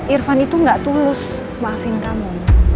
irfan itu gak tulus maafin kamu